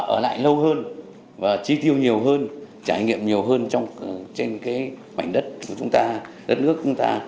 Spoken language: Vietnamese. ở lại lâu hơn chi tiêu nhiều hơn trải nghiệm nhiều hơn trên mảnh đất nước chúng ta